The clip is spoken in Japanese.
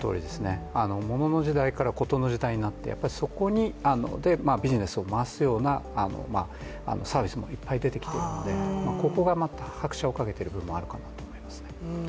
物の時代より事の時代によって、そこにビジネスを回すようなサービスもいっぱい出てきているのでここが拍車をかけている部分もあるかなと思いますね。